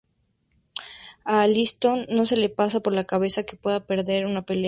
A Liston no se le pasa por la cabeza que pueda perder una pelea.